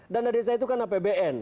dana desa itu kan apbn